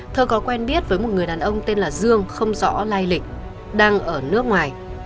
thơ có quen biết với một người đàn ông tên là dương không rõ lai lịch đang ở nước ngoài